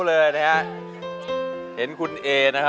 ไม่ทำได้ไม่ทำได้